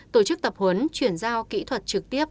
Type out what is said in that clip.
tổ chức tập huấn chuyển giao kỹ thuật trực tiếp